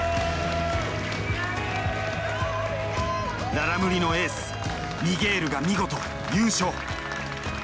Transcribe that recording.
ララムリのエースミゲールが見事優勝。